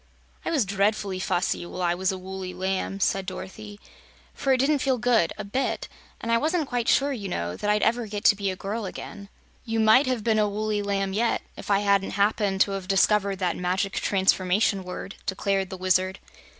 "I was dreadfully fussy while I was a woolly lamb," said Dorothy, "for it didn't feel good, a bit. And I wasn't quite sure, you know, that I'd ever get to be a girl again." "You might have been a woolly lamb yet, if I hadn't happened to have discovered that Magic Transformation Word," declared the Wizard.